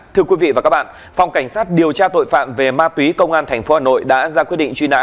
thưa quý vị và các bạn phòng cảnh sát điều tra tội phạm về ma túy công an tp hà nội đã ra quyết định truy nã